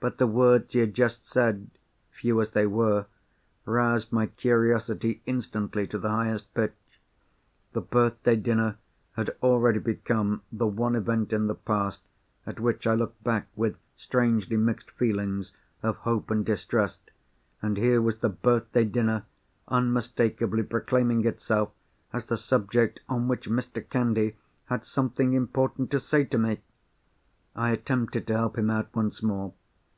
But the words he had just said—few as they were—roused my curiosity instantly to the highest pitch. The birthday dinner had already become the one event in the past, at which I looked back with strangely mixed feelings of hope and distrust. And here was the birthday dinner unmistakably proclaiming itself as the subject on which Mr. Candy had something important to say to me! I attempted to help him out once more.